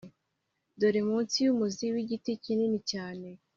dore munsi yumuzi wigiti kinini cyane.